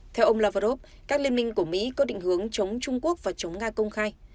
theo ông lavrov các liên minh của mỹ có định hướng chống trung quốc và chống nga công khai